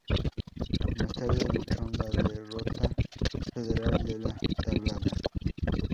Más tarde luchó en la derrota federal de La Tablada.